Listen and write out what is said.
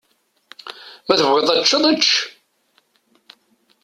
Ma tebɣiḍ ad teččeḍ, ečč.